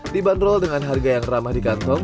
dibanderol dengan harga yang ramah di kantong